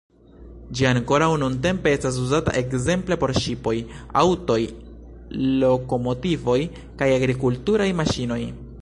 Ĝi ankoraŭ nuntempe estas uzata ekzemple por ŝipoj, aŭtoj, lokomotivoj kaj agrikulturaj maŝinoj.